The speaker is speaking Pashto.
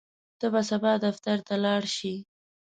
ته به سبا دفتر ته لاړ شې؟